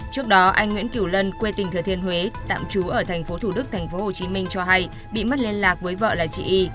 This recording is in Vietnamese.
trước đó anh nguyễn kiểu lân quê tình thừa thiên huế tạm trú ở thành phố thủ đức thành phố hồ chí minh cho hay bị mất liên lạc với vợ là chị y